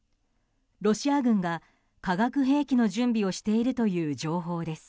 ロシア軍が化学兵器の準備をしているという情報です。